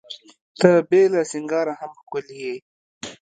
ته بې له سینګاره هم ښکلي یې.